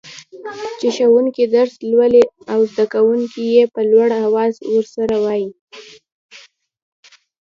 چي ښوونکي درس لولي او زده کوونکي يي په لوړ اواز ورسره وايي.